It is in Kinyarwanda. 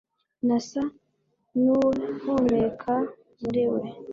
Nasa nuwuhumeka muri we